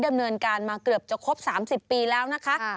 ดำเนินการมาเกือบจะครบ๓๐ปีแล้วนะคะ